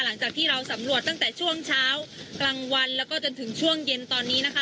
หลังจากที่เราสำรวจตั้งแต่ช่วงเช้ากลางวันแล้วก็จนถึงช่วงเย็นตอนนี้นะคะ